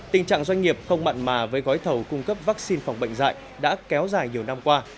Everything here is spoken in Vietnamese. tình trạng doanh nghiệp không mặn mà với gói thầu cung cấp vaccine phòng bệnh dạy đã kéo dài nhiều năm qua